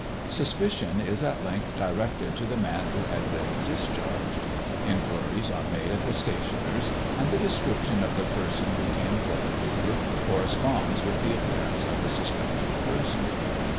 Suspicion is at length directed to the man who had been discharged. Inquiries are made at the stationer's, and the description of the person who came for the paper corresponds with the appearance of the suspected person.